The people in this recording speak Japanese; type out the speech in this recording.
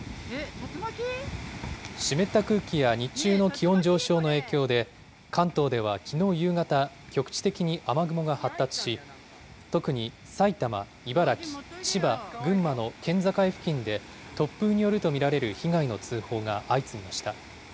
湿った空気や日中の気温上昇の影響で、関東ではきのう夕方、局地的に雨雲が発達し、特に埼玉、茨城、千葉、群馬の県境付近で、突風によると見られる被害の通報が相次ぎました。